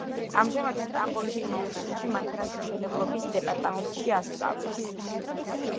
ამჟამად სტამბოლის უნივერსიტეტში მანქანათმშენებლობის დეპარტამენტში ასწავლის.